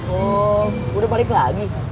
oh udah balik lagi